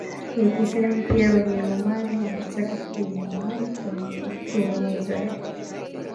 ya Kiislamu Pia Wajerumani walitaka Kijerumani kienezwe